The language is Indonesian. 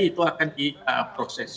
itu akan diproses